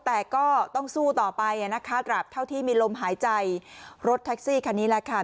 แต่ก็ต้องสู้ต่อไปนะคะตราบเท่าที่มีลมหายใจรถแท็กซี่คันนี้แหละค่ะ